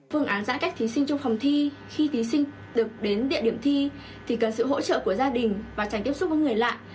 phương án giãn cách thí sinh trong phòng thi khi thí sinh được đến địa điểm thi thì cần sự hỗ trợ của gia đình và tránh tiếp xúc với người lạ